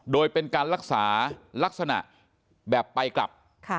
โดยเป็นการรักษาลักษณะแบบไปกลับ